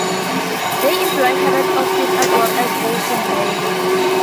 They employed Herbert Austin as well as the Wolseley name.